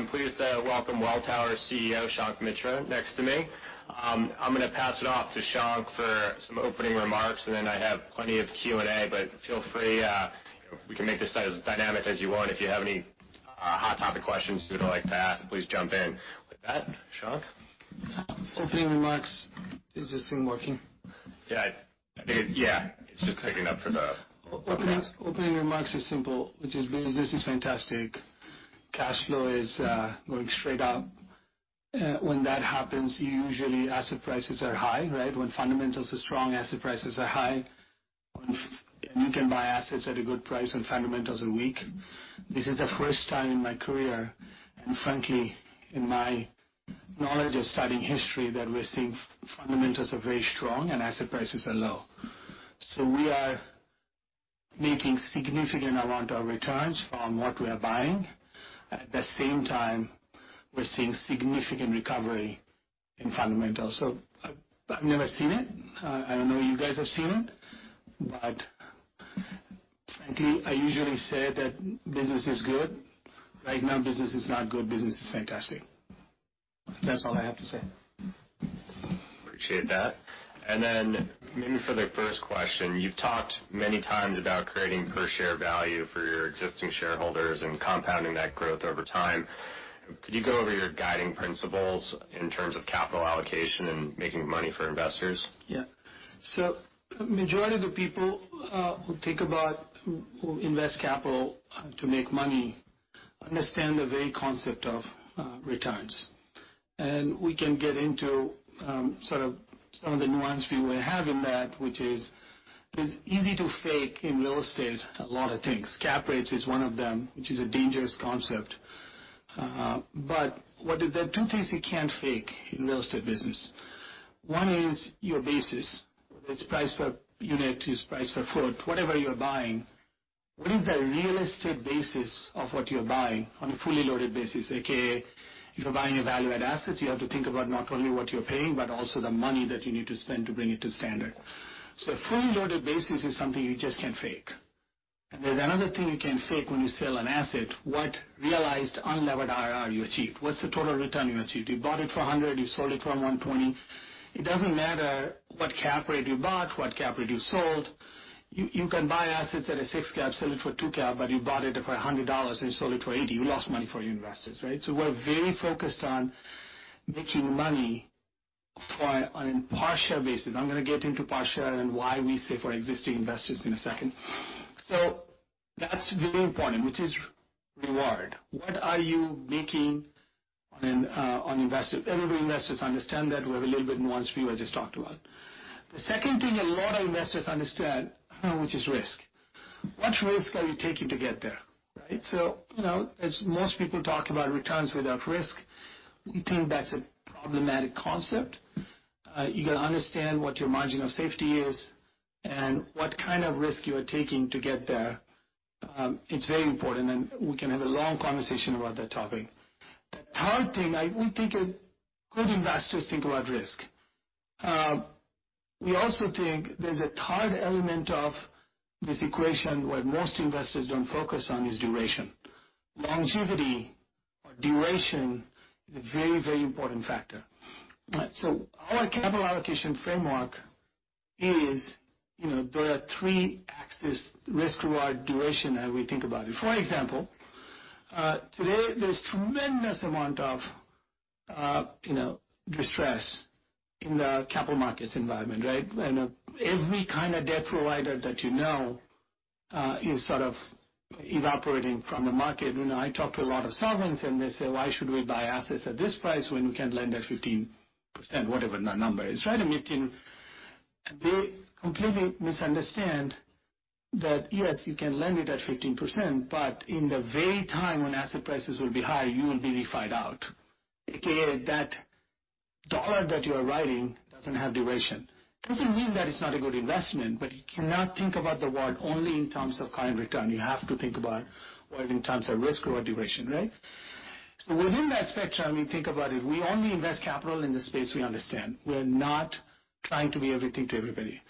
I'm pleased to welcome Welltower CEO, Shankh Mitra, next to me. I'm gonna pass it off to Shankh for some opening remarks, and then I have plenty of Q&A, but feel free, we can make this as dynamic as you want. If you have any, hot topic questions you would like to ask, please jump in. With that, Shankh? Opening remarks. Is this thing working? Yeah. It's just picking up for the- Opening remarks is simple, which is business is fantastic. Cash flow is going straight up. When that happens, usually asset prices are high, right? When fundamentals are strong, asset prices are high. And you can buy assets at a good price when fundamentals are weak. This is the first time in my career, and frankly, in my knowledge of studying history, that we're seeing fundamentals are very strong and asset prices are low. So we are making significant amount of returns from what we are buying. At the same time, we're seeing significant recovery in fundamentals. So I've never seen it. I don't know you guys have seen it, but I think I usually say that business is good. Right now, business is not good, business is fantastic. That's all I have to say. Appreciate that. Then maybe for the first question, you've talked many times about creating per share value for your existing shareholders and compounding that growth over time. Could you go over your guiding principles in terms of capital allocation and making money for investors? Yeah. So majority of the people who think about, who invest capital to make money understand the very concept of returns. And we can get into sort of some of the nuance we will have in that, which is, it's easy to fake in real estate a lot of things. Cap rates is one of them, which is a dangerous concept. But there are two things you can't fake in real estate business. One is your basis. Whether it's price per unit, it's price per foot, whatever you're buying, what is the realistic basis of what you're buying on a fully loaded basis? AKA, if you're buying value-add assets, you have to think about not only what you're paying, but also the money that you need to spend to bring it to standard. So a fully loaded basis is something you just can't fake. And there's another thing you can't fake when you sell an asset, what realized unlevered IRR you achieved. What's the total return you achieved? You bought it for $100, you sold it for $120. It doesn't matter what cap rate you bought, what cap rate you sold. You, you can buy assets at a 6 cap, sell it for 2 cap, but you bought it for $100 and sold it for $80. You lost money for your investors, right? So we're very focused on making money for on a per share basis. I'm gonna get into per share and why we say for existing investors in a second. So that's very important, which is reward. What are you making on, on investment? Everybody, investors understand that. We have a little bit nuanced view I just talked about. The second thing a lot of investors understand, which is risk. What risk are you taking to get there, right? So, you know, as most people talk about returns without risk, we think that's a problematic concept. You got to understand what your margin of safety is and what kind of risk you are taking to get there. It's very important, and we can have a long conversation about that topic. The third thing, we think good investors think about risk. We also think there's a third element of this equation, where most investors don't focus on, is duration. Longevity or duration is a very, very important factor. So our capital allocation framework is, you know, there are three axes, risk, reward, duration, how we think about it. For example, today, there's tremendous amount of, you know, distress in the capital markets environment, right? And every kind of debt provider that you know, is sort of evaporating from the market. You know, I talk to a lot of sovereigns and they say, "Why should we buy assets at this price when we can lend at 15%?" Whatever that number is, right? I mean, they completely misunderstand that, yes, you can lend it at 15%, but in the very time when asset prices will be high, you will be refi'd out. AKA, that dollar that you are writing doesn't have duration. It doesn't mean that it's not a good investment, but you cannot think about the world only in terms of current return. You have to think about, well, in terms of risk or duration, right? So within that spectrum, we think about it. We only invest capital in the space we understand. We're not trying to be everything to everybody.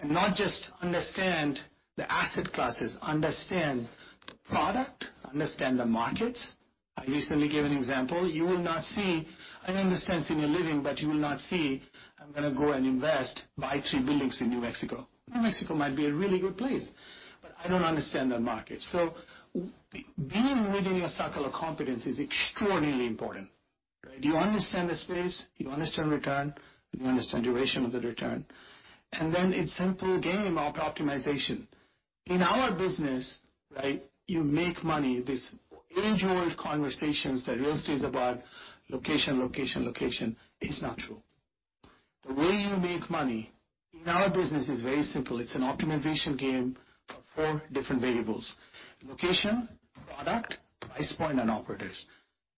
And not just understand the asset classes, understand the product, understand the markets. I recently gave an example, you will not see. I understand senior living, but you will not see, I'm gonna go and invest, buy three buildings in New Mexico. New Mexico might be a really good place, but I don't understand that market. So being within your circle of competence is extraordinarily important, right? Do you understand the space? Do you understand return? Do you understand duration of the return? And then it's simple game of optimization. In our business, right, you make money. This age-old conversation that real estate is about location, location, location, is not true. The way you make money in our business is very simple. It's an optimization game of four different variables: location, product, price point, and operators.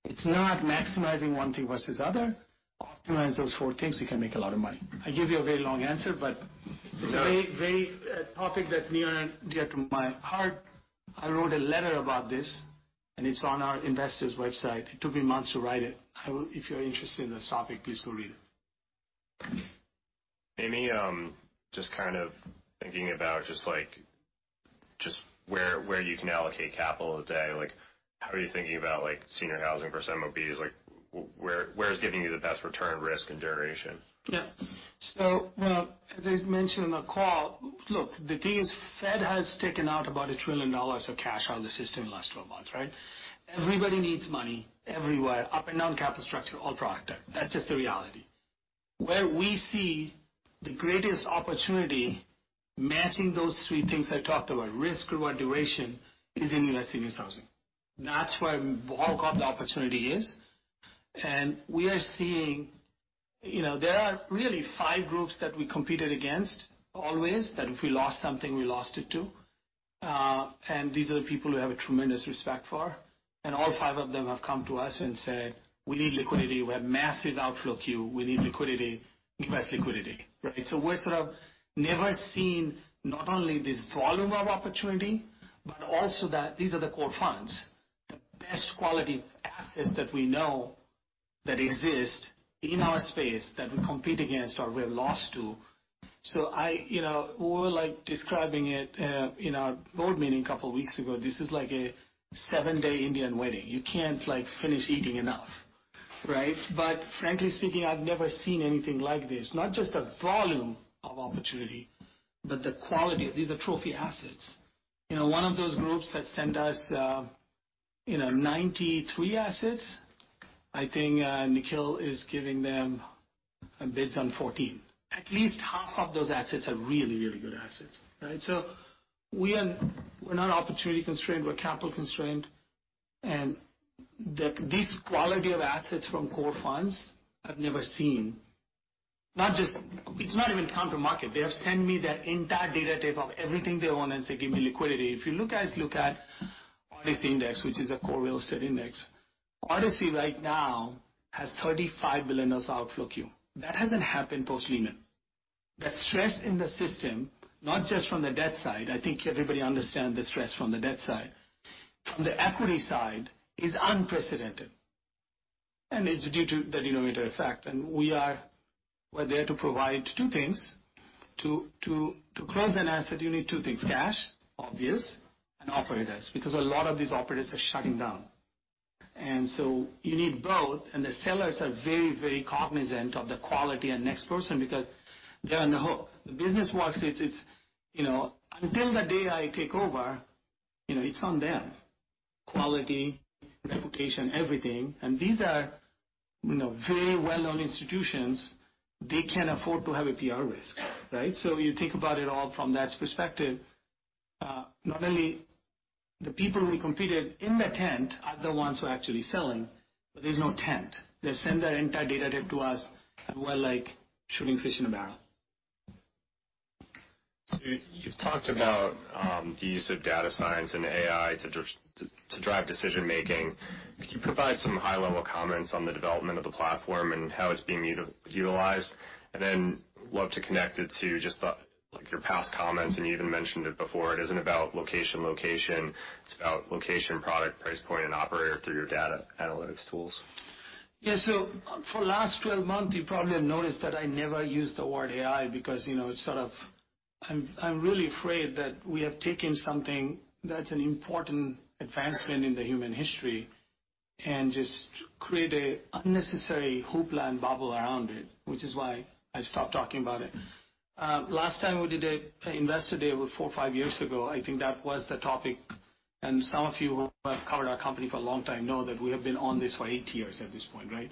It's not maximizing one thing versus the other. Optimize those four things, you can make a lot of money. I gave you a very long answer, but it's a very, very, topic that's near and dear to my heart. I wrote a letter about this, and it's on our investors' website. It took me months to write it. If you're interested in this topic, please go read it. Maybe, just kind of thinking about just like, just where, where you can allocate capital today. Like, how are you thinking about, like, senior housing versus MOBs? Like, where, where is giving you the best return, risk, and duration? Yeah. So, well, as I mentioned in the call, look, the thing is, the Fed has taken out about $1 trillion of cash out of the system in the last 12 months, right? Everybody needs money everywhere, up and down capital structure, all product type. That's just the reality. Where we see the greatest opportunity matching those three things I talked about, risk, reward, duration, is in U.S. seniors housing. That's where the bulk of the opportunity is. And we are seeing, you know, there are really five groups that we competed against, always, that if we lost something, we lost it to. And these are the people we have a tremendous respect for, and all five of them have come to us and said, "We need liquidity. We have massive outflow queue. We need liquidity. Invest liquidity." Right? So we're sort of never seen, not only this volume of opportunity, but also that these are the core funds, the best quality assets that we know that exist in our space, that we compete against or we have lost to. So I, you know, we were like describing it in our board meeting a couple of weeks ago, this is like a seven-day Indian wedding. You can't, like, finish eating enough, right? But frankly speaking, I've never seen anything like this. Not just the volume of opportunity, but the quality. These are trophy assets. You know, one of those groups that sent us, you know, 93 assets, I think, Nikhil is giving them bids on 14. At least half of those assets are really, really good assets, right? So we are, we're not opportunity constrained, we're capital constrained, and this quality of assets from core funds, I've never seen. It's not even counter market. They have sent me their entire data tape of everything they own and say, "Give me liquidity." If you look at ODCE Index, which is a core real estate index, ODCE right now has $35 billion outflow queue. That hasn't happened post Lehman. The stress in the system, not just from the debt side, I think everybody understands the stress from the debt side. From the equity side, is unprecedented, and it's due to the denominator effect. We're there to provide two things. To close an asset, you need two things: cash, obvious, and operators, because a lot of these operators are shutting down. And so you need both, and the sellers are very, very cognizant of the quality and next person, because they're on the hook. The business works, it's you know, until the day I take over, you know, it's on them. Quality, reputation, everything. And these are, you know, very well-known institutions. They can't afford to have a PR risk, right? So you think about it all from that perspective, not only the people we competed in the tent are the ones who are actually selling, but there's no tent. They send their entire data tape to us, and we're like shooting fish in a barrel. So you've talked about the use of data science and AI to just, to drive decision making. Could you provide some high-level comments on the development of the platform and how it's being utilized? And then love to connect it to just the, like, your past comments, and you even mentioned it before, it isn't about location, location. It's about location, product, price point, and operator through your data analytics tools. Yeah. So for last 12 months, you probably have noticed that I never used the word AI, because, you know, sort of I'm, I'm really afraid that we have taken something that's an important advancement in the human history and just create a unnecessary hoopla and bubble around it, which is why I stopped talking about it. Last time we did a investor day, about 4 or 5 years ago, I think that was the topic, and some of you who have covered our company for a long time know that we have been on this for 8 years at this point, right?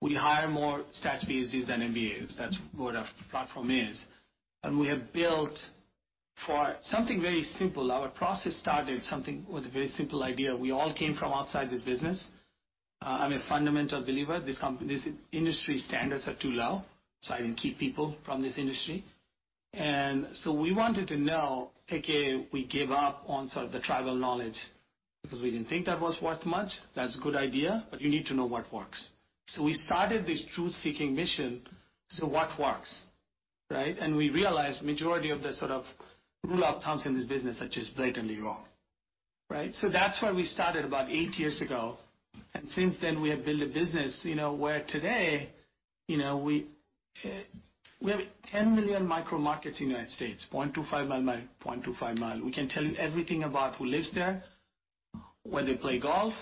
We hire more stats PhDs than MBAs. That's what our platform is. And we have built for something very simple. Our process started something with a very simple idea. We all came from outside this business. I'm a fundamental believer, these industry standards are too low, so I didn't keep people from this industry. And so we wanted to know, aka, we gave up on sort of the tribal knowledge, because we didn't think that was worth much. That's a good idea, but you need to know what works. So we started this truth-seeking mission. So what works, right? And we realized majority of the sort of rule of thumbs in this business are just blatantly wrong, right? So that's where we started about 8 years ago, and since then, we have built a business, you know, where today, you know, we, we have 10 million micro markets in the United States, 0.25 by 0.25 mile. We can tell you everything about who lives there, where they play golf,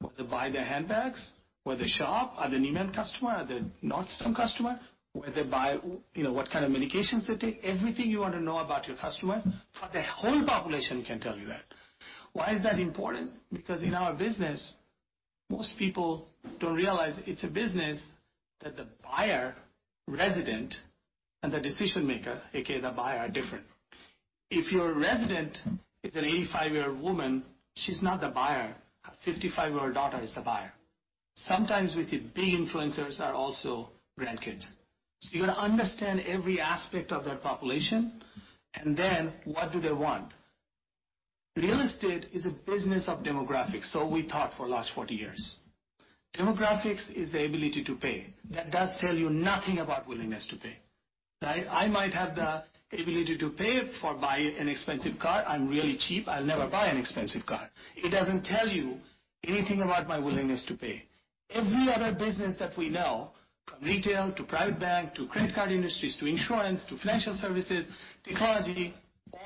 where they buy their handbags, where they shop. Are they a Neiman customer? Are they a Nordstrom customer? Where they buy, you know, what kind of medications they take. Everything you want to know about your customer, for the whole population, we can tell you that. Why is that important? Because in our business, most people don't realize it's a business that the buyer, resident, and the decision maker, aka the buyer, are different. If your resident is an 85-year-old woman, she's not the buyer. Her 55-year-old daughter is the buyer. Sometimes we see big influencers are also grandkids. So you got to understand every aspect of their population, and then, what do they want? Real estate is a business of demographics, so we thought for the last 40 years. Demographics is the ability to pay. That does tell you nothing about willingness to pay. Right? I might have the ability to pay for, buy an expensive car. I'm really cheap, I'll never buy an expensive car. It doesn't tell you anything about my willingness to pay. Every other business that we know, from retail to private bank, to credit card industries, to insurance, to financial services, technology,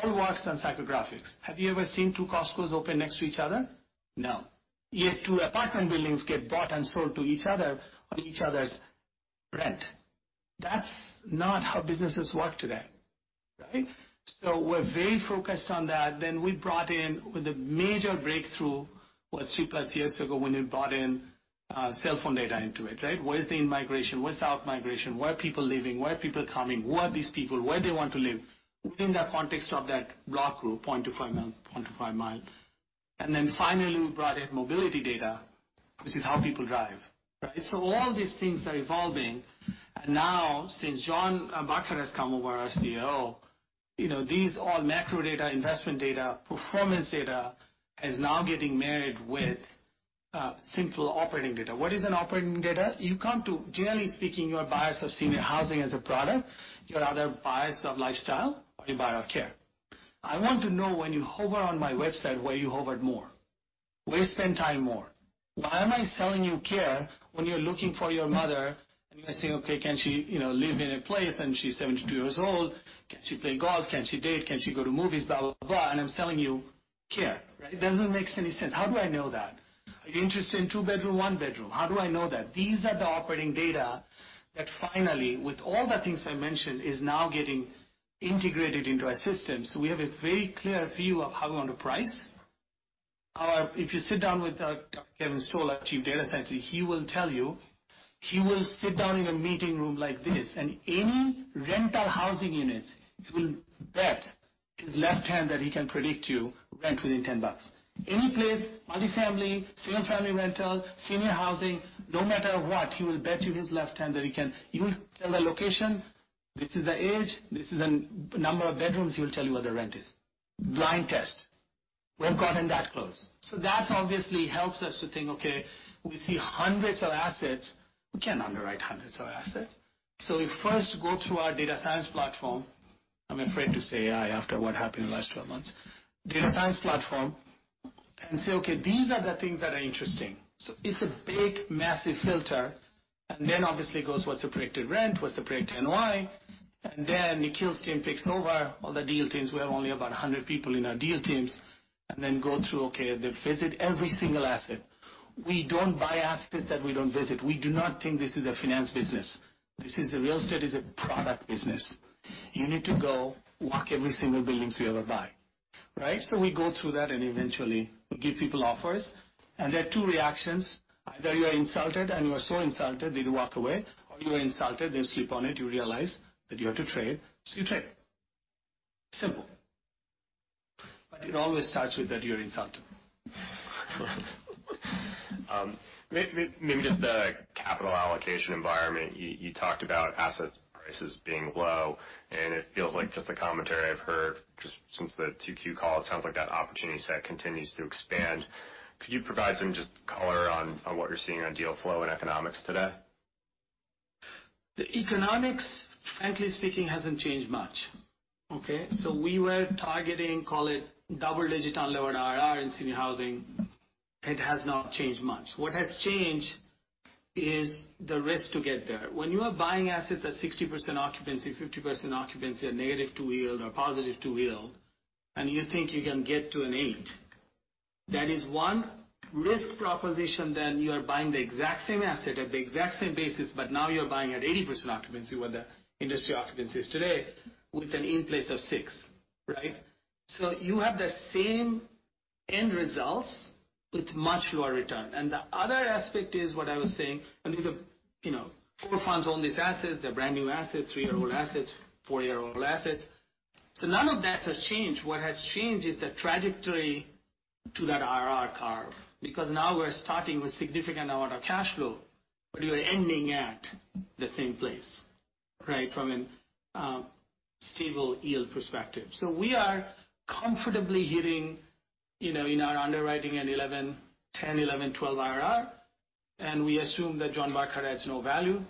all works on psychographics. Have you ever seen two Costcos open next to each other? No. Yet two apartment buildings get bought and sold to each other on each other's rent. That's not how businesses work today, right? So we're very focused on that. Then we brought in, with a major breakthrough, was 3+ years ago when we brought in, cell phone data into it, right? Where's the in-migration, where's the out-migration, where are people leaving, where are people coming, who are these people, where they want to live? Within the context of that block group, 0.25 mile. Then finally, we brought in mobility data, which is how people drive, right? So all these things are evolving. And now, since John Burkart has come over as COO, you know, these all macro data, investment data, performance data, is now getting married with simple operating data. What is an operating data? You come to - generally speaking, you are buyers of senior housing as a product, you're other buyers of lifestyle, or you're buyer of care. I want to know when you hover on my website, where you hovered more. Where you spend time more. Why am I selling you care when you're looking for your mother, and you are saying, "Okay, can she, you know, live in a place, and she's 72 years old? Can she play golf? Can she date? Can she go to movies?" Blah, blah, blah. And I'm selling you care, right? It doesn't make any sense. How do I know that? Are you interested in two bedroom, one bedroom? How do I know that? These are the operating data that finally, with all the things I mentioned, is now getting integrated into our system. So we have a very clear view of how we want to price. Our—If you sit down with Kevin Stoller, our Chief Data Scientist, he will tell you, he will sit down in a meeting room like this, and any rental housing units, he will bet his left hand that he can predict you rent within $10. Any place, multifamily, single-family rental, senior housing, no matter what, he will bet you his left hand that he can. He will tell the location, this is the age, this is the number of bedrooms, he will tell you what the rent is. Blind test. We've gotten that close. So that obviously helps us to think, okay, we see hundreds of assets. We can't underwrite hundreds of assets. So we first go through our data science platform. I'm afraid to say AI, after what happened in the last 12 months. Data science platform, and say, "Okay, these are the things that are interesting." So it's a big, massive filter, and then, obviously, goes, what's the predicted rent? What's the predicted NOI? And then, Nikhil's team takes over, all the deal teams. We have only about 100 people in our deal teams, and then go through, okay, they visit every single asset. We don't buy assets that we don't visit. We do not think this is a finance business. This is a real estate, is a product business. You need to go walk every single buildings you ever buy, right? So we go through that and eventually we give people offers. And there are two reactions: either you are insulted, and you are so insulted that you walk away, or you are insulted, then sleep on it, you realize that you have to trade, so you trade. Simple. But it always starts with that you're insulted. Maybe just the capital allocation environment. You talked about assets prices being low, and it feels like just the commentary I've heard, just since the 2Q call, it sounds like that opportunity set continues to expand. Could you provide some color on what you're seeing on deal flow and economics today? The economics, frankly speaking, hasn't changed much. Okay? So we were targeting, call it, double-digit unlevered IRR in senior housing. It has not changed much. What has changed is the risk to get there. When you are buying assets at 60% occupancy, 50% occupancy, a -2 yield or +2 yield, and you think you can get to an 8, that is one risk proposition, then you are buying the exact same asset at the exact same basis, but now you're buying at 80% occupancy, what the industry occupancy is today, with an in-place of 6, right? So you have the same end results with much lower return. And the other aspect is what I was saying, and these are, you know, 4 funds own these assets, they're brand new assets, 3-year-old assets, 4-year-old assets. So none of that has changed. What has changed is the trajectory to that IRR curve, because now we're starting with significant amount of cash flow, but you are ending at the same place, right? From a stable yield perspective. So we are comfortably hitting, you know, in our underwriting at 11, 10, 11, 12 IRR, and we assume that John Burkart adds no value.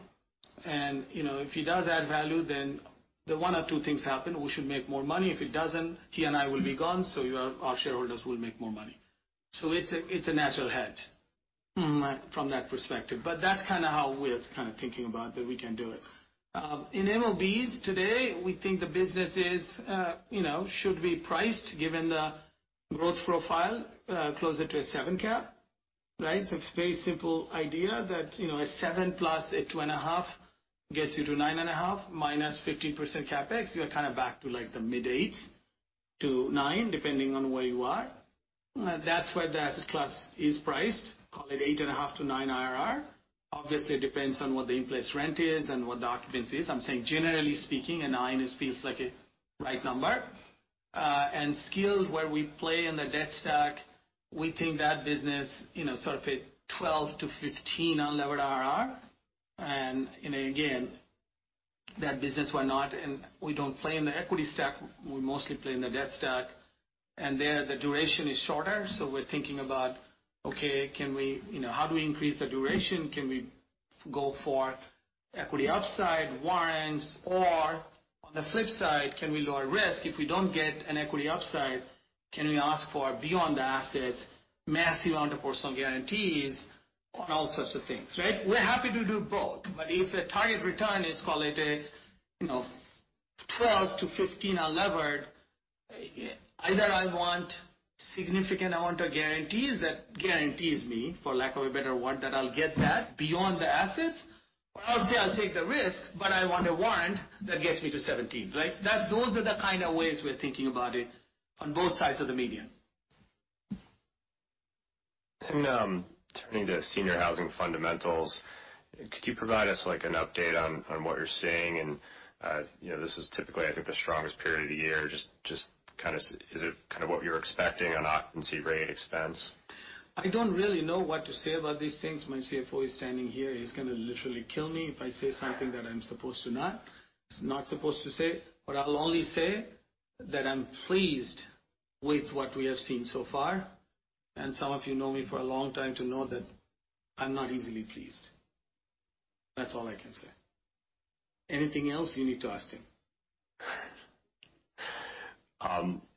And, you know, if he does add value, then the one or two things happen, we should make more money. If he doesn't, he and I will be gone, so our, our shareholders will make more money. So it's a, it's a natural hedge from that perspective. But that's kind of how we're kind of thinking about that we can do it. In MOBs today, we think the business is, you know, should be priced, given the growth profile, closer to a 7 cap, right? So it's a very simple idea that, you know, a 7 plus a 2.5, gets you to 9.5, minus 15% CapEx, you're kind of back to like the mid-8s to 9, depending on where you are. That's where the asset class is priced, call it 8.5-9 IRR. Obviously, it depends on what the in-place rent is and what the occupancy is. I'm saying, generally speaking, a 9 feels like a right number. And skilled, where we play in the debt stack, we think that business, you know, sort of a 12-15 unlevered IRR, and, you know, again, that business, we're not-- and we don't play in the equity stack, we mostly play in the debt stack. There, the duration is shorter, so we're thinking about, okay, can we, you know, how do we increase the duration? Can we go for equity upside, warrants, or on the flip side, can we lower risk? If we don't get an equity upside, can we ask for beyond the assets, massive under personal guarantees on all sorts of things, right? We're happy to do both, but if the target return is, call it a, you know, 12-15 unlevered, either I want significant amount of guarantees that guarantees me, for lack of a better word, that I'll get that beyond the assets, or I'll say I'll take the risk, but I want a warrant that gets me to 17, right? Those are the kind of ways we're thinking about it on both sides of the median. Turning to senior housing fundamentals, could you provide us, like, an update on, on what you're seeing? You know, this is typically, I think, the strongest period of the year. Just kind of, is it kind of what you're expecting on occupancy rate expense? I don't really know what to say about these things. My CFO is standing here. He's gonna literally kill me if I say something that I'm supposed to not supposed to say. I'll only say that I'm pleased with what we have seen so far, and some of you know me for a long time to know that I'm not easily pleased. That's all I can say. Anything else you need to ask him?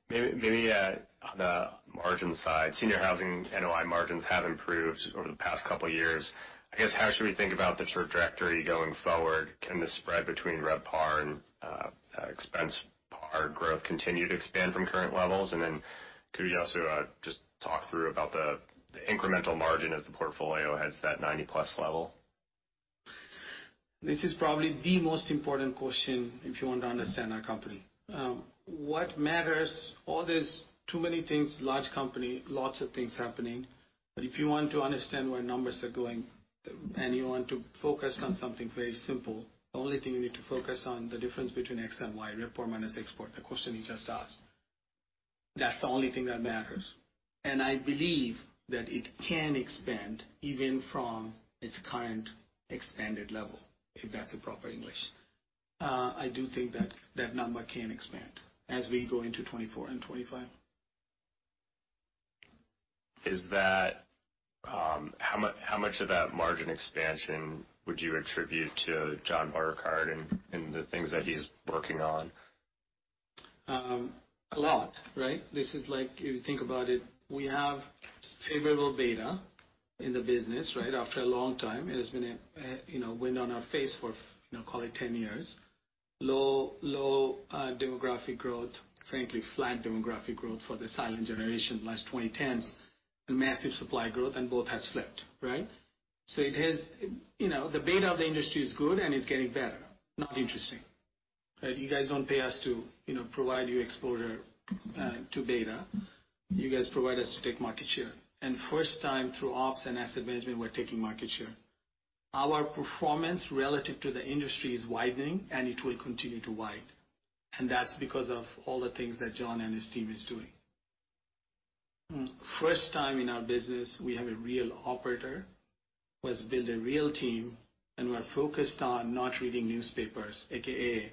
Maybe on the margin side, senior housing NOI margins have improved over the past couple of years. I guess, how should we think about the trajectory going forward? Can the spread between RevPAR and ExpPAR growth continue to expand from current levels? And then could you also just talk through about the incremental margin as the portfolio hits that 90+ level? This is probably the most important question if you want to understand our company. What matters, all these too many things, large company, lots of things happening. But if you want to understand where numbers are going and you want to focus on something very simple, the only thing you need to focus on, the difference between RevPAR and ExpPAR, the question you just asked. That's the only thing that matters. And I believe that it can expand even from its current expanded level, if that's proper English. I do think that that number can expand as we go into 2024 and 2025. Is that, how much, how much of that margin expansion would you attribute to John Burkart and, and the things that he's working on? A lot, right? This is like, if you think about it, we have favorable beta in the business, right? After a long time, it has been a, you know, wind on our face for, you know, call it 10 years. Low, low, demographic growth, frankly, flat demographic growth for the silent generation, last 2010s, and massive supply growth, and both has flipped, right? So it has, you know, the beta of the industry is good, and it's getting better. Not interesting. But you guys don't pay us to, you know, provide you exposure to beta. You guys provide us to take market share. And first time through ops and asset management, we're taking market share. Our performance relative to the industry is widening, and it will continue to wide. And that's because of all the things that John and his team is doing. First time in our business, we have a real operator who has built a real team, and we're focused on not reading newspapers, AKA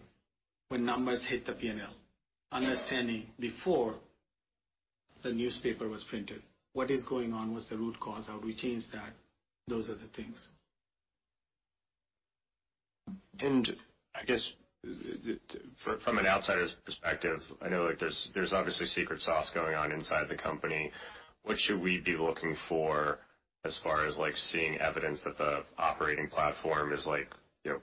when numbers hit the P&L. Understanding, before the newspaper was printed, what is going on, what's the root cause, how we change that, those are the things. I guess, from an outsider's perspective, I know, like, there's obviously secret sauce going on inside the company. What should we be looking for as far as, like, seeing evidence that the operating platform is like, you know,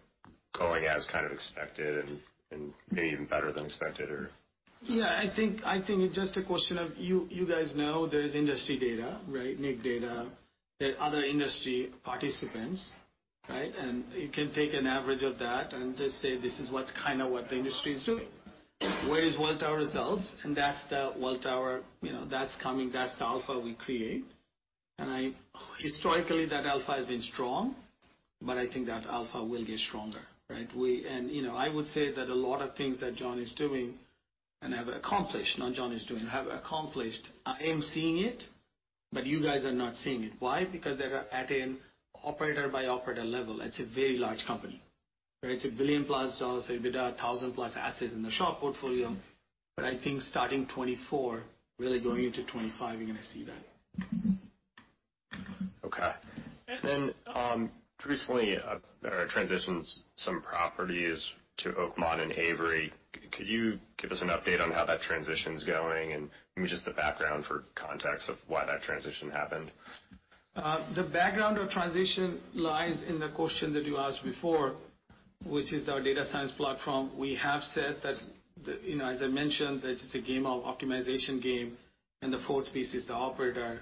going as kind of expected and maybe even better than expected, or? Yeah, I think, I think it's just a question of you, you guys know there's industry data, right? NIC data. There are other industry participants, right? And you can take an average of that and just say, this is what's kind of what the industry is doing. Where is Welltower results? And that's the Welltower, you know, that's coming, that's the alpha we create. And I—historically, that alpha has been strong, but I think that alpha will get stronger, right? We—And, you know, I would say that a lot of things that John is doing and have accomplished, not John is doing, have accomplished. I am seeing it, but you guys are not seeing it. Why? Because they are at an operator by operator level. It's a very large company, right? It's $1 billion-plus EBITDA, 1,000-plus assets in the SHOP portfolio. But I think starting 2024, really going into 2025, you're gonna see that. Okay. And then, recently, there are transitions, some properties to Oakmont and Avery. Could you give us an update on how that transition is going? And maybe just the background for context of why that transition happened. The background of transition lies in the question that you asked before, which is our data science platform. We have said that, you know, as I mentioned, that it's a game of optimization game, and the fourth piece is the operator.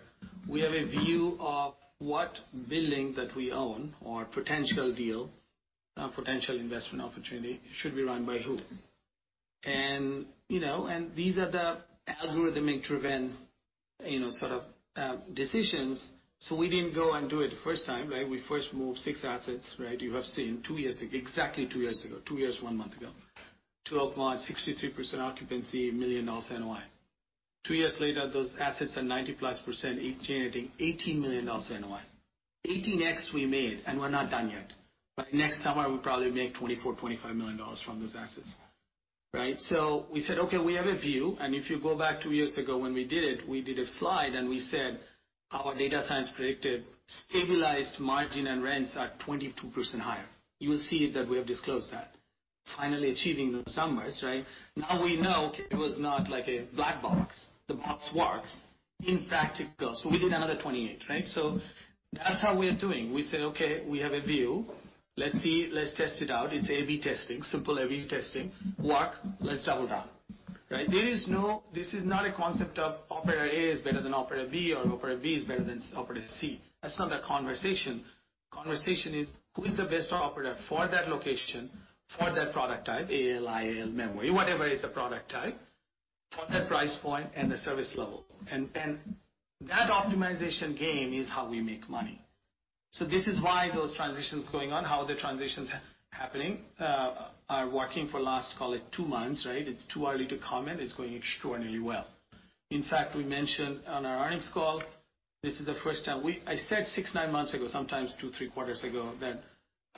We have a view of what building that we own or potential deal, potential investment opportunity should be run by who. And, you know, and these are the algorithmic-driven, you know, sort of, decisions. So we didn't go and do it first time, right? We first moved six assets, right? You have seen two years ago, exactly two years ago. Two years, one month ago. Oakmont, 63% occupancy, $1 million NOI. Two years later, those assets are 90+%, each generating $18 million NOI. 18x we made, and we're not done yet. By next summer, we'll probably make $24 million-$25 million from those assets, right? So we said, okay, we have a view, and if you go back two years ago when we did it, we did a slide, and we said our data science predicted stabilized margin and rents are 22% higher. You will see that we have disclosed that. Finally achieving those numbers, right? Now we know it was not like a black box. The box works. In fact, it goes. So we did another 28, right? So that's how we are doing. We said, okay, we have a view. Let's see. Let's test it out. It's A/B testing, simple A/B testing. Work, let's double down, right? There is no. This is not a concept of operator A is better than operator B or operator B is better than operator C. That's not the conversation. The conversation is, who is the best operator for that location, for that product type, AL/IL, memory, whatever is the product type, for that price point and the service level? And, and that optimization gain is how we make money. So this is why those transitions going on, how the transitions are happening, are working for last, call it 2 months, right? It's too early to comment. It's going extraordinarily well. In fact, we mentioned on our earnings call, this is the first time. We--I said 6, 9 months ago, sometimes 2, 3 quarters ago, that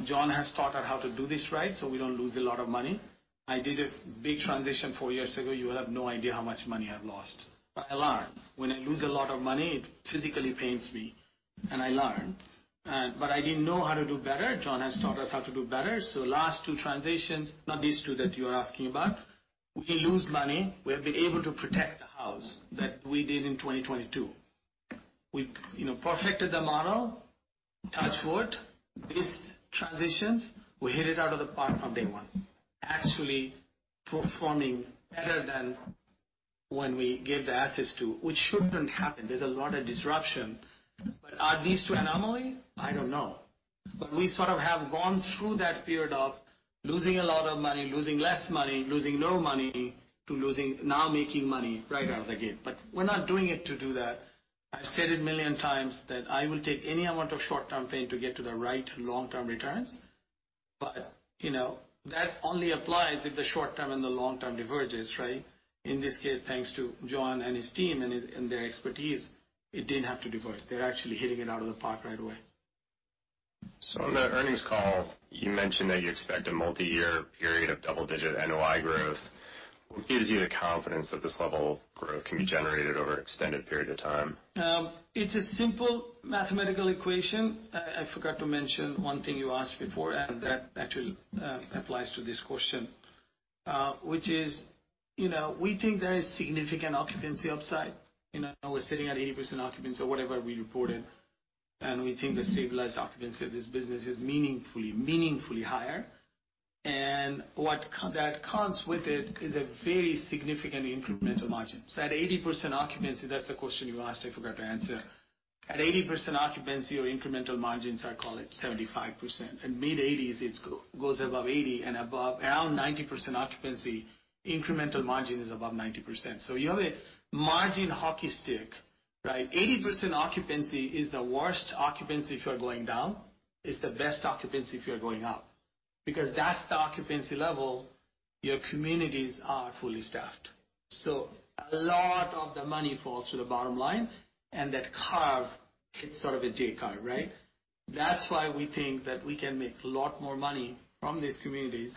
John has taught us how to do this right, so we don't lose a lot of money. I did a big transition 4 years ago. You have no idea how much money I've lost, but I learned. When I lose a lot of money, it physically pains me, and I learn. But I didn't know how to do better. John has taught us how to do better. So last two transitions, not these two that you are asking about, we lose money. We have been able to protect the house that we did in 2022. We, you know, perfected the model, touch wood. These transitions, we hit it out of the park from day one. Actually, performing better than when we gave the assets to, which shouldn't happen. There's a lot of disruption. But are these two anomaly? I don't know. But we sort of have gone through that period of losing a lot of money, losing less money, losing no money, to losing - now making money right out of the gate. But we're not doing it to do that. I've said it a million times that I will take any amount of short-term pain to get to the right long-term returns. But, you know, that only applies if the short term and the long term diverges, right? In this case, thanks to John and his team and his, and their expertise, it didn't have to diverge. They're actually hitting it out of the park right away. On the earnings call, you mentioned that you expect a multi-year period of double-digit NOI growth. What gives you the confidence that this level of growth can be generated over an extended period of time? It's a simple mathematical equation. I forgot to mention one thing you asked before, and that actually applies to this question, which is, you know, we think there is significant occupancy upside. You know, we're sitting at 80% occupancy or whatever we reported, and we think the stabilized occupancy of this business is meaningfully, meaningfully higher. And what that comes with it is a very significant incremental margin. So at 80% occupancy, that's the question you asked, I forgot to answer. At 80% occupancy, your incremental margins, I call it 75%. At mid-80s, it goes above 80%, and above around 90% occupancy, incremental margin is above 90%. So you have a margin hockey stick, right? 80% occupancy is the worst occupancy if you are going down. It's the best occupancy if you're going up, because that's the occupancy level, your communities are fully staffed. So a lot of the money falls to the bottom line, and that curve, it's sort of a J curve, right? That's why we think that we can make a lot more money from these communities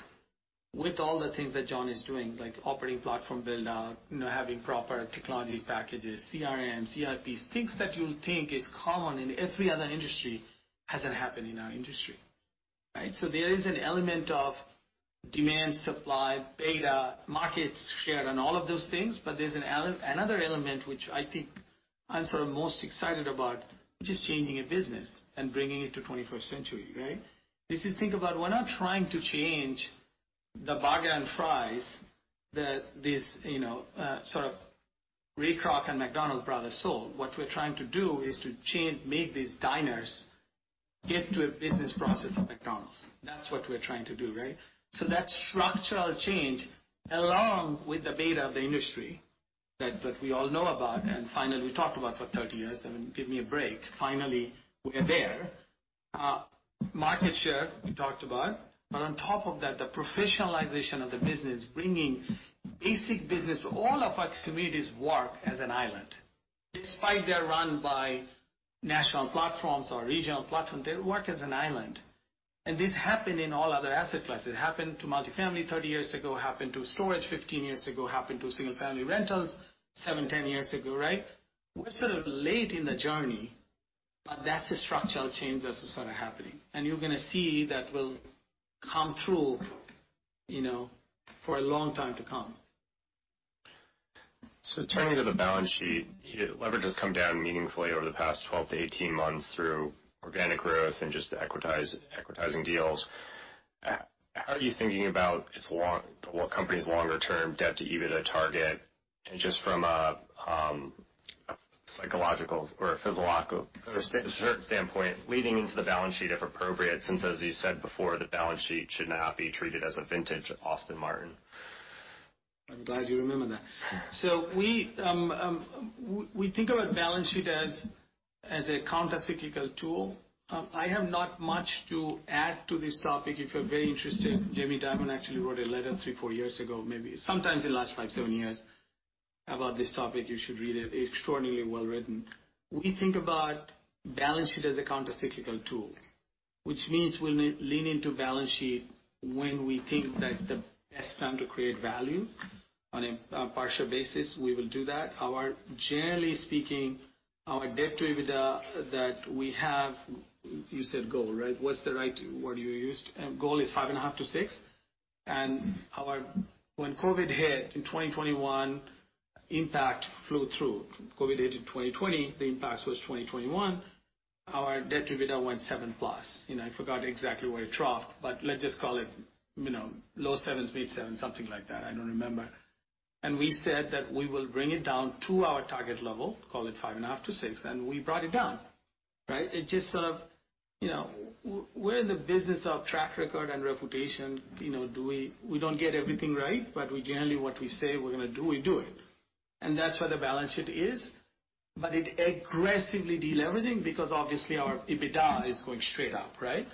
with all the things that John is doing, like operating platform build out, you know, having proper technology packages, CRMs, CRPs, things that you think is common in every other industry, hasn't happened in our industry, right? So there is an element of demand, supply, beta, market share, and all of those things, but there's another element, which I think I'm sort of most excited about, which is changing a business and bringing it to twenty-first century, right? If you think about it, we're not trying to change the burger and fries that this, you know, sort of Ray Kroc and McDonald brothers sold. What we're trying to do is to change, make these diners get to a business process of McDonald's. That's what we're trying to do, right? So that structural change, along with the beta of the industry, that we all know about, and finally, we talked about for 30 years, I mean, give me a break, finally, we are there. Market share, we talked about, but on top of that, the professionalization of the business, bringing basic business. All of our communities work as an island. Despite they're run by national platforms or regional platforms, they work as an island. And this happened in all other asset classes. It happened to multifamily 30 years ago, happened to storage 15 years ago, happened to single-family rentals 7-10 years ago, right? We're sort of late in the journey, but that's the structural change that is sort of happening. And you're gonna see that will come through, you know, for a long time to come. So turning to the balance sheet, your leverage has come down meaningfully over the past 12-18 months through organic growth and just to equitize, equitizing deals. How are you thinking about the company's longer-term debt-to-EBITDA target, and just from a psychological or physiological standpoint, leaning into the balance sheet, if appropriate, since, as you said before, the balance sheet should not be treated as a vintage Aston Martin. I'm glad you remember that. So we think about balance sheet as a countercyclical tool. I have not much to add to this topic. If you're very interested, Jamie Dimon actually wrote a letter 3-4 years ago, maybe sometimes in the last 5-7 years about this topic, you should read it. Extraordinarily well written. We think about balance sheet as a countercyclical tool, which means we'll lean into balance sheet when we think that's the best time to create value on a partial basis, we will do that. Our, generally speaking, our debt-to-EBITDA that we have, you said goal, right? What's the right word you used? Goal is 5.5-6. And our when COVID hit in 2021, impact flew through. COVID hit in 2020, the impact was 2021. Our debt-to-EBITDA went 7+. You know, I forgot exactly where it dropped, but let's just call it, you know, low 7s, mid 7s, something like that. I don't remember. And we said that we will bring it down to our target level, call it 5.5-6, and we brought it down, right? It just sort of, you know, we're in the business of track record and reputation. You know, do we, we don't get everything right, but we generally, what we say we're gonna do, we do it. And that's where the balance sheet is. But it aggressively deleveraging, because obviously our EBITDA is going straight up, right?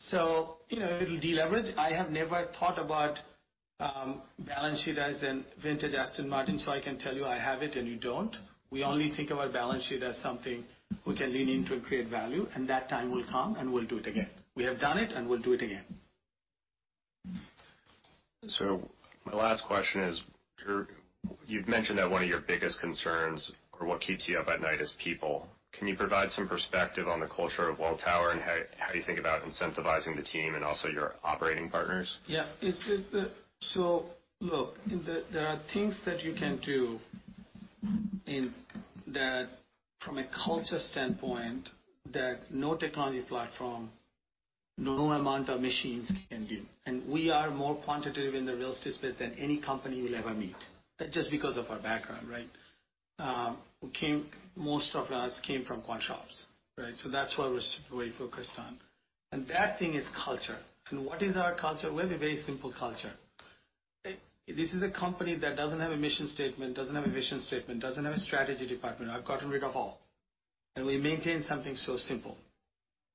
So, you know, it'll deleverage. I have never thought about balance sheet as a vintage Aston Martin, so I can tell you I have it and you don't. We only think about balance sheet as something we can lean into and create value, and that time will come, and we'll do it again. We have done it, and we'll do it again. My last question is, you've mentioned that one of your biggest concerns, or what keeps you up at night, is people. Can you provide some perspective on the culture of Welltower, and how do you think about incentivizing the team and also your operating partners? Yeah, it's the... So look, there are things that you can do in that from a culture standpoint, that no technology platform, no amount of machines can do. And we are more quantitative in the real estate space than any company you'll ever meet, just because of our background, right? Most of us came from quant shops, right? So that's why we're super way focused on. And that thing is culture. And what is our culture? We have a very simple culture. This is a company that doesn't have a mission statement, doesn't have a vision statement, doesn't have a strategy department. I've gotten rid of all, and we maintain something so simple.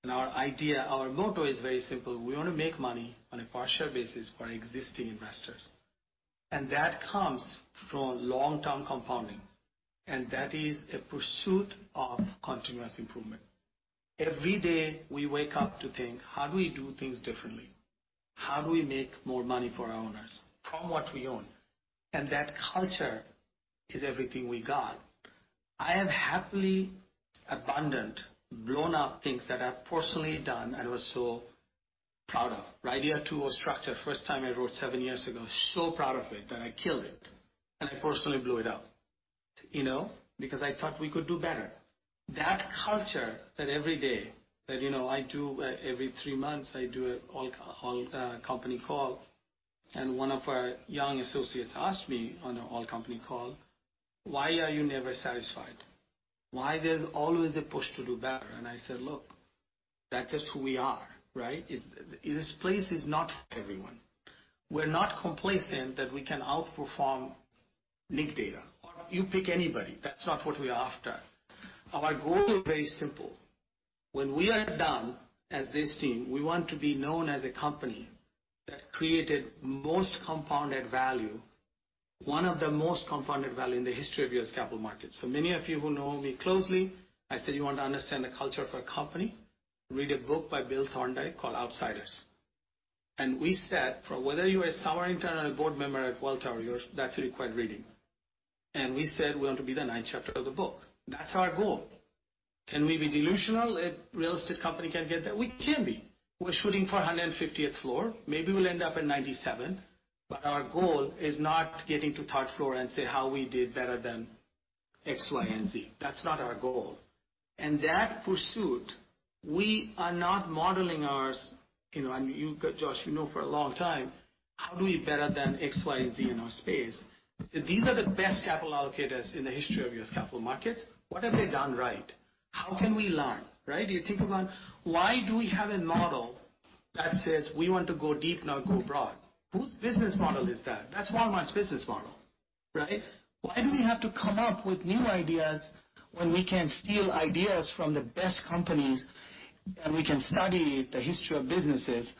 And our idea, our motto is very simple: We want to make money on a partial basis for our existing investors, and that comes from long-term compounding, and that is a pursuit of continuous improvement. Every day, we wake up to think, how do we do things differently? How do we make more money for our owners from what we own? And that culture is everything we got. I am happily abundant, blown up things that I've personally done and was so proud of, right? RIDEA 2.0 was structured. First time I wrote 7 years ago, so proud of it, and I killed it. And I personally blew it up, you know, because I thought we could do better. That culture, that every day, that, you know, I do every three months, I do an all company call, and one of our young associates asked me on an all company call: Why are you never satisfied? Why there's always a push to do better? And I said, "Look, that's just who we are, right? This place is not for everyone. We're not complacent that we can outperform NIC Data or you pick anybody. That's not what we're after." Our goal is very simple. When we are done as this team, we want to be known as a company that created most compounded value, one of the most compounded value in the history of U.S. capital markets. So many of you who know me closely, I said, you want to understand the culture of a company, read a book by Bill Thorndike called Outsiders. And we said, for whether you are a summer intern or a board member at Welltower, you're... That's required reading. And we said, we want to be the ninth chapter of the book. That's our goal. Can we be delusional if real estate company can get there? We can be. We're shooting for a 150th floor. Maybe we'll end up in 97th, but our goal is not getting to 3rd floor and say how we did better than X, Y, and Z. That's not our goal. And that pursuit, we are not modeling ours, you know, and you, Josh, you know, for a long time, how do we better than X, Y, and Z in our space? So these are the best capital allocators in the history of U.S. capital markets. What have they done right? How can we learn, right? You think about why do we have a model that says we want to go deep, not go broad? Whose business model is that? That's Walmart's business model, right? Why do we have to come up with new ideas when we can steal ideas from the best companies, and we can study the history of businesses?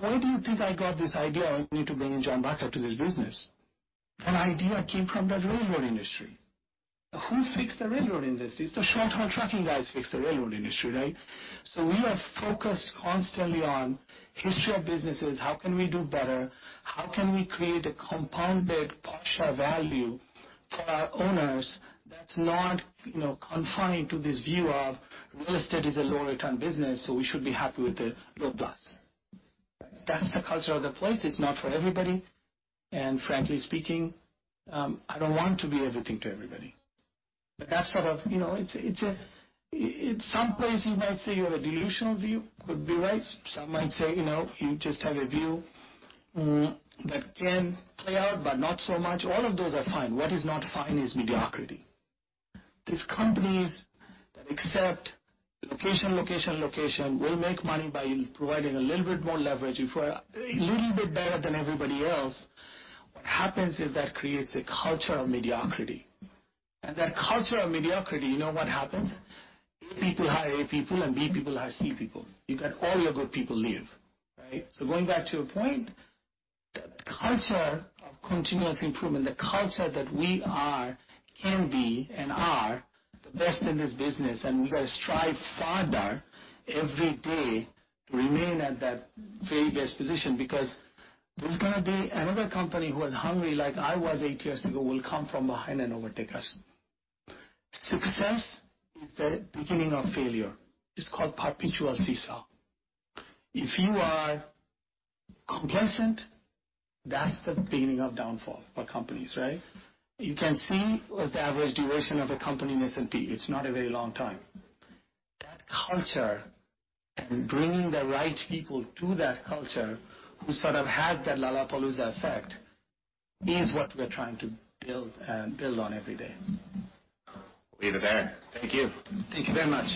Where do you think I got this idea, we need to bring John Burkart to this business? That idea came from the railroad industry. Who fixed the railroad industry? It's the short-haul trucking guys, fixed the railroad industry, right? So we are focused constantly on history of businesses. How can we do better? How can we create a compounded partial value for our owners that's not, you know, confined to this view of real estate is a low-return business, so we should be happy with the low plus. That's the culture of the place. It's not for everybody, and frankly speaking, I don't want to be everything to everybody. But that's sort of, you know, it's, it's a in some place, you might say you have a delusional view, could be right. Some might say, you know, you just have a view, that can play out, but not so much. All of those are fine. What is not fine is mediocrity. These companies that accept location, location, location, will make money by providing a little bit more leverage for a little bit better than everybody else. What happens is that creates a culture of mediocrity. And that culture of mediocrity, you know what happens? A people hire A people, and B people hire C people. You got all your good people leave, right? So going back to your point, the culture of continuous improvement, the culture that we are, can be and are, the best in this business, and we got to strive farther every day to remain at that very best position, because there's gonna be another company who is hungry, like I was eight years ago, will come from behind and overtake us. Success is the beginning of failure. It's called perpetual seesaw. If you are complacent, that's the beginning of downfall for companies, right? You can see what's the average duration of a company in S&P. It's not a very long time. That culture and bringing the right people to that culture, who sort of have that Lollapalooza Effect, is what we're trying to build and build on every day. Leave it there. Thank you. Thank you very much.